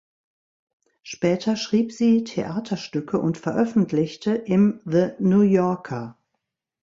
Später schrieb sie Theaterstücke und veröffentlichte im The New Yorker.